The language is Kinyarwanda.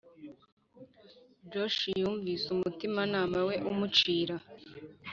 Josh yumvise umutimanama we umucira